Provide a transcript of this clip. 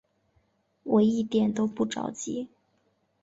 我一点都不着急